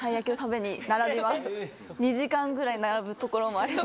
２時間ぐらい並ぶところもあります。